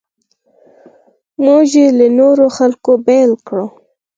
موږ یې له نورو خلکو بېل کړو.